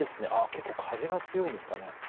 結構風が強いんですかね。